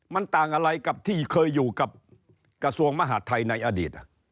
มันต่างอะไรกับที่เคยอยู่กับกระทรวงมหาดไทยในอดีต